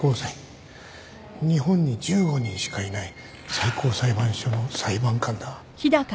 日本に１５人しかいない最高裁判所の裁判官だ。